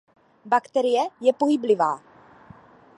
Bakterie je pohyblivá.